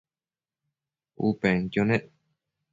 U penquio nec